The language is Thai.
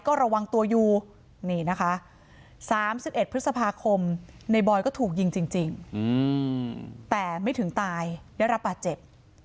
ก็ระวังตัวอยู่นี่นะคะ๓๑พฤษภาคมในบอยก็ถูกยิงจริงแต่ไม่ถึงตายได้รับบาดเจ็บ